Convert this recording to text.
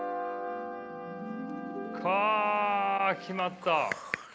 かあ決まった！